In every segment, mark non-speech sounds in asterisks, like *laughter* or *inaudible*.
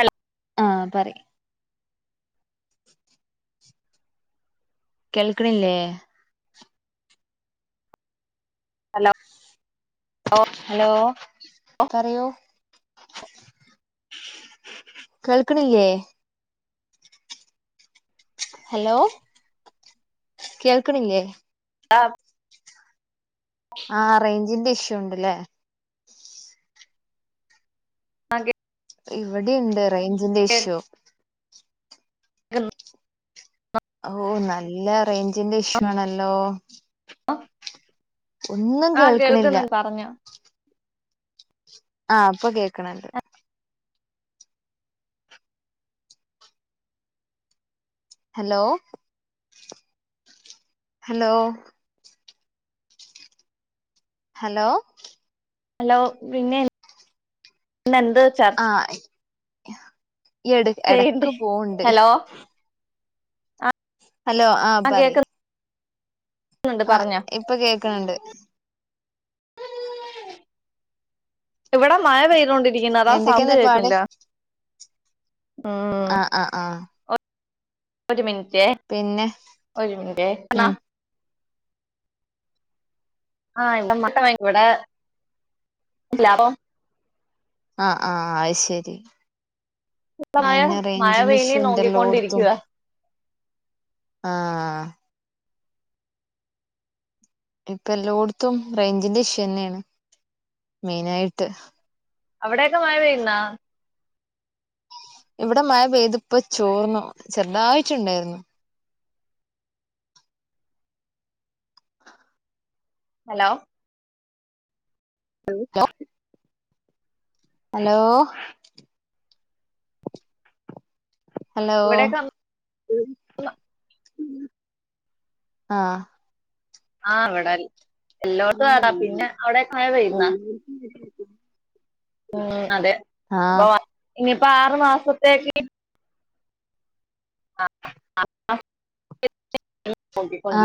അൽലാ ആഹ് പറി കേൾക്ക്ണില്ലേ അലോ ഹലോ, പറെയൂ *inaudible* കേൾക്ക്ണില്യേ *inaudible* ഹലോ കേൾക്ക്ണില്ല്യേ ആപ് ആ റൈഞ്ചിന്റെ ഇഷ്യൂണ്ട്ലേ ആഗി ഇവടിണ്ട് റൈഞ്ചിന്റെ ഷ്യു *unintelligible* ഔ നല്ല റൈഞ്ചിന്റെ ഇഷ്യൂ ആണല്ലോ ഒ ഒന്നും കേൾക്കിണില്ല പറഞ്ഞോ ആഹ് പ്പകേക്ക്ണ് ണ്ട് ഹലോ ഹലോ ഹലോ ഹലോ പിന്നെഇന്നെന്ത് ചർച ആഹ് ഇ എട് ചെയ്യണ്ടേ എടക്ക് പോൺണ്ട് ഹലോ ഹലോ ആഹ് ആ പറി കേൾക്കുന്നുണ്ട് ആഹ് പറഞ്ഞോ ഇപ്പ കേക്ക്ണ് ണ്ട് ഇവടെ മഴ പെയ്തൊണ്ടിരിക്ന്ന് അതാ സൗണ്ട് എന്തൊക്കെയാന്നിട്ട് പാട് കേൾക്ക്ൻല്ല ആഹ് ആഹ് ആഹ് ഒരു മിനിറ്റേ പിന്നെ ഒരു മിനിറ്റ് അണാ ഉം ആഹ് എന്താ മൊട്ട വാങ്ങിക്കൂടെ ലാഭം ആഹ് ആഹ് അയ് ശരി ഇവിടെ മഴ അയന്നെ മഴ റൈഞ്ചിന്റെ പെയ്യുന്നേ ഷ്യുണ്ടല്ലോട്ത്തും നോക്കിക്കൊണ്ടിരിക്കുക ആഹ് ആഹ് ആഹ് ഇപ്പ എല്ലോട്ത്തും റൈഞ്ചിന്റെ ഷ്യുന്നെണ് മെയ്നായിട്ട് അവിടെക്കെ മഴ പെയ്യുന്നാ ഇവ്ടെ മഴ പെയ്ത്പ്പ ചോർന്നു ചെറുതായിറ്റ്ണ്ടായിര്ന്നു ഹലോ *unintelligible* ഹലോ ഹലോ ഇവിടെയൊക്കെ ആഹ് ആഹ് അവ്ടൽ എല്ലോട്ത്യു ആതാ പിന്നെ അവ്ടെക് മഴ പെയ്തോ ഉം അതെ പ്പൊ ആഹ് ഇനിപ്പൊ ആറ് മാസത്തേക്കി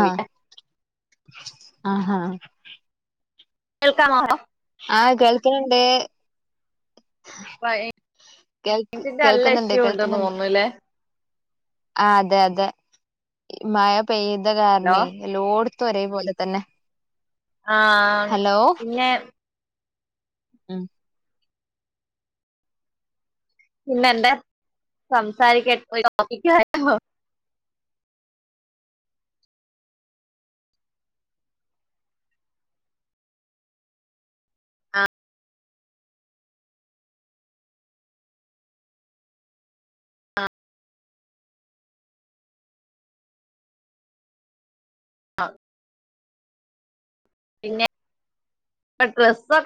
ആഹ് ആഹാ കേൾക്കാമോ ആഹ് കേൾക്ക്ണ് ണ്ട് കേൾക് റേഞ്ചിന്റെ നല്ല കേൾക്ക്ന്ന്ണ്ട് ഇഷ്യൂ ഉണ്ടെന്ന് കേൾക്ക്ന്ന്ണ്ട്. തോന്നുന്നുല്ലേ ആ അതെ അതെ ഇ മഴ പെയ്ത ഹലോ കാര്നെ എല്ലോട്ത്തുഒരേ പോലെ തന്നെ ആഹ് ഹലോ പിന്നെ. ആഹ് പിന്നെന്തെ സംസാരിക്യൻ *unintelligible* ആഹ് പിന്നെ പ്ലസ്സൊ